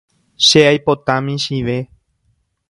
Che aipota michĩve.